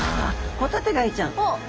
ホタテガイちゃん。